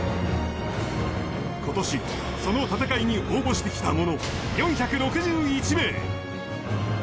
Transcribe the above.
今年その戦いに応募してきた者